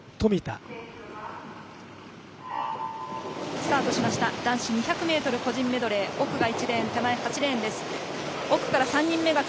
スタートしました男子２００ｍ個人メドレー奥が１レーン手前が８レーンです。